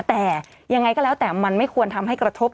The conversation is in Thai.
แต่ยังไงก็แล้วแต่มันไม่ควรทำให้กระทบ